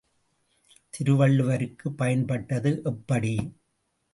திருவள்ளுவருக்குப் பயன்பட்டது எப்படி?